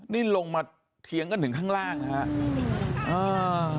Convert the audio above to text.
นี่ลงมาเถียงกันถึงข้างล่างนะครับ